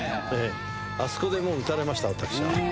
あそこでもう、打たれました、私は。